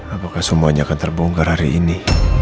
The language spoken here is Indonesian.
apakah semuanya akan terbongkar hari ini